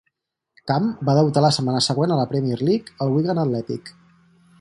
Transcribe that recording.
Camp va debutar la setmana següent a la Premier League al Wigan Athletic.